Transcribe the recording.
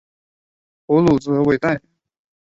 普卢泽韦代。